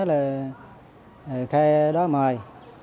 là khai đó mời